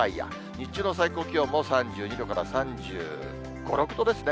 日中の最高気温も３２度から３５、６度ですね。